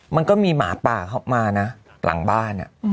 มันก็มีหมาป่าเข้ามานะหลังบ้าน